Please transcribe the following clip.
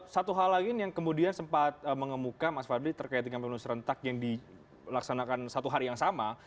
satu hal lain yang kemudian sempat mengemuka mas fadli terkait dengan pemilu serentak yang dilaksanakan satu hari yang sama